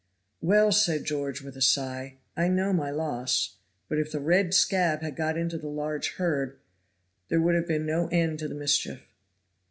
"Well!" said George, with a sigh, "I know my loss. But if the red scab had got into the large herd, there would have been no end to the mischief."